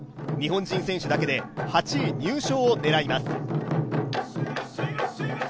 日本人選手だけで８位入賞を狙います。